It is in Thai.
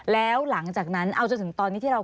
แล้วหลังจากนั้นเอาจนถึงตอนนี้ที่เรา